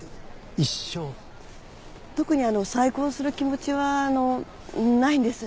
特に再婚する気持ちはないんです。